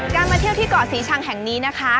มาเที่ยวที่เกาะศรีชังแห่งนี้นะคะ